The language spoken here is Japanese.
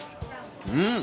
うん！